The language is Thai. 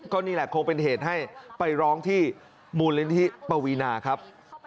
ก็นี่แหละคงเป็นเหตุให้ไปร้องที่มูลนิธิปวีนาครับ